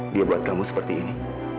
dia buat kamu seperti ini